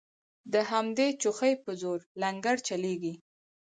د همدې چوخې په زور لنګرچلیږي